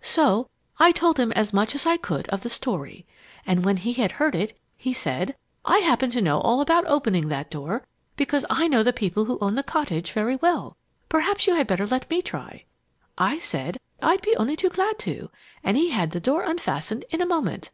"So I told him as much as I could of the story. And when he had heard it, he said: 'I happen to know all about opening that door, because I know the people who own the cottage very well. Perhaps you had better let me try.' I said I'd be only too glad to, and he had the door unfastened in a moment.